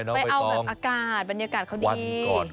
ไปเอาเหมือนบรรณการบรรยากาศของดี